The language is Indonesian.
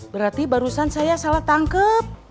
berarti barusan saya salah tangkep